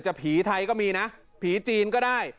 ผีไทยก็มีนะผีจีนก็ได้